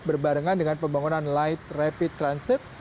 berbarengan dengan pembangunan light rapid transit